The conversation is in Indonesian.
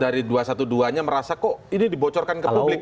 dari dua satu duanya merasa kok ini dibocorkan ke publik